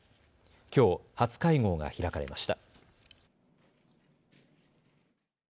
きょう、初会合が開かれました。